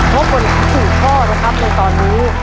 พวกมันผิดพ่อนะครับในตอนนี้